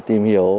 để tìm hiểu